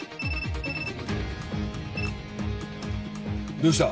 どうした？